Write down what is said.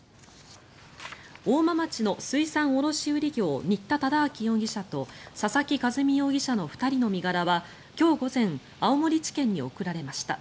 大間町の水産卸売業新田忠明容疑者と佐々木一美容疑者の２人の身柄は今日午前青森地検に送られました。